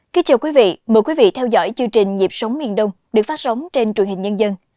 kính chào quý vị mời quý vị theo dõi chương trình nhịp sống miền đông được phát sóng trên truyền hình nhân dân